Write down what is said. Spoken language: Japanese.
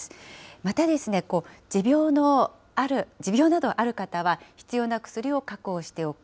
また、持病などがある方は、必要な薬を確保しておく。